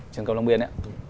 trường cầu long biên